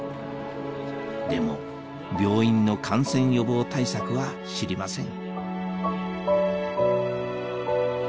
でも病院の感染予防対策は知りません